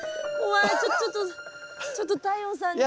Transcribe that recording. ちょっとちょっと太陽さんに。